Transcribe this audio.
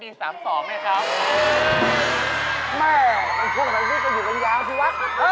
ไม่มันพูดไทยฟื้นตัวอยู่ตรงยาวสิวะ